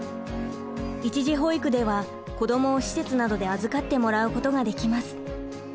一時保育では子どもを施設などで預かってもらうことができます。